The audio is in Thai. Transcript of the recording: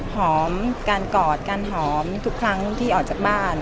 หอมการกอดการหอมทุกครั้งที่ออกจากบ้าน